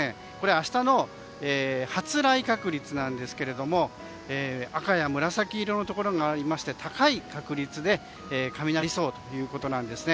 明日の発雷確率ですけども赤や紫色のところがありまして高い確率で雷が鳴りそうということです。